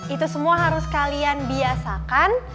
itu semua harus kalian biasakan